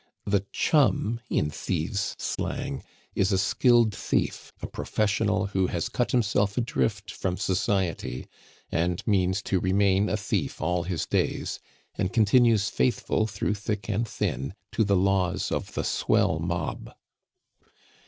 The "chum," in thieves' slang, is a skilled thief, a professional who has cut himself adrift from society, and means to remain a thief all his days, and continues faithful through thick and thin to the laws of the swell mob.